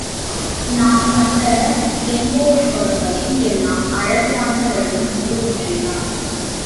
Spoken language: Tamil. நான் கண்ட லிங்கோத்பவர்களில் எல்லாம் அழகு வாய்ந்த வடிவம் இது ஒன்றேதான்.